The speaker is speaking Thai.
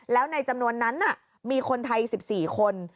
แล้วในจำนวนนั้นมีคนไทย๑๔คน